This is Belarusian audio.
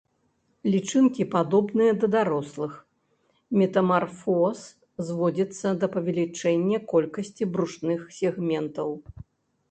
Лічынкі падобныя да дарослых, метамарфоз зводзіцца да павелічэння колькасці брушных сегментаў.